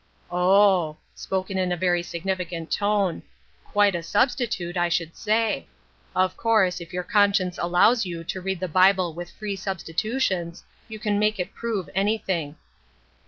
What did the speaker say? "Oh !" spoken in a very significant tone, "quite a substitute, I should say. Of course, if your con 106 THE OLD QUESTION. science allows you to read the Bible with free substitutions, you can make it prove anything."